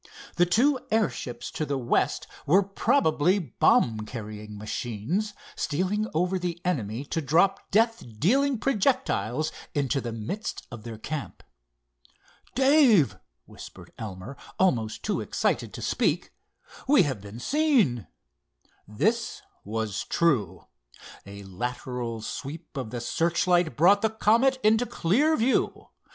The two airships to the west were probably bomb carrying machines, stealing over the enemy to drop death dealing projectiles into the midst of their camp. "Dave," whispered Elmer, almost too excited to speak, "we have been seen!" This was true. A lateral sweep of the searchlight brought the Comet into clear view.